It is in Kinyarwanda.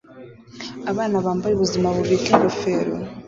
Abana bambaye ubuzima bubika ingofero